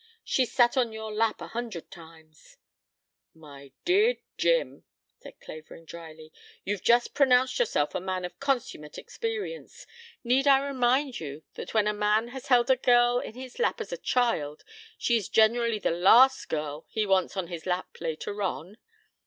She's sat on your lap a hundred times." "My dear Jim," said Clavering drily. "You've just pronounced yourself a man of consummate experience. Need I remind you that when a man has held a girl on his lap as a child, she is generally the last girl he wants on his lap later on?